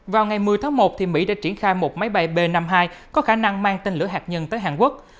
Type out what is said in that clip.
vào ngày một mươi tháng một mỹ đã triển khai một máy bay b năm mươi hai có khả năng mang tên lửa hạt nhân tới hàn quốc